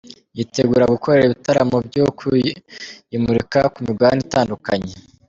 yitegura gukorera ibitaramo byo kuyimurika ku migabane itandukanye.